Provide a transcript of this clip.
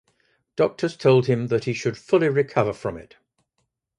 Doctors told him that he should fully recover from it.